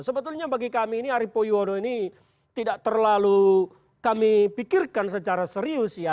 sebetulnya bagi kami ini arief poyuono ini tidak terlalu kami pikirkan secara serius ya